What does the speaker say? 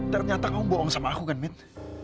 ternyata kamu bohong sama aku kan min